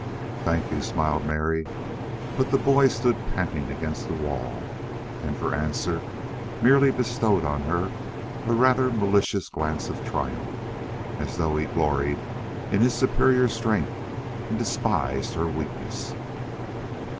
"Thank you," smiled Mary, but the boy stood panting against the wall, and for answer merely bestowed on her a rather malicious glance of triumph, as though he gloried in his superior strength and despised her weakness.